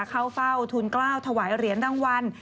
เข้าเฝ้าทุนกล้าวถวายเหรียญรางวัล